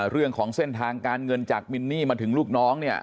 เรื่องของเส้นทางการเงินจากมินนี่มาถึงลูกน้องเนี่ย